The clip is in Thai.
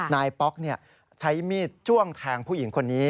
ป๊อกใช้มีดจ้วงแทงผู้หญิงคนนี้